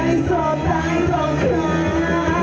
หยุดมีท่าหยุดมีท่า